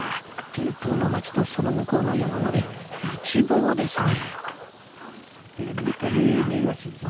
ティンプーの街とその向こうの山まで一望ですね。